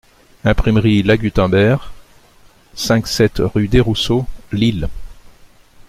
Imprimerie LA GUTENBERG, cinq-sept rue Desrousseaux, Lille.